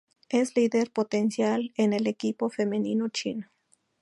Es líder potencial en el equipo femenino chino.